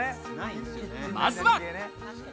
まずは。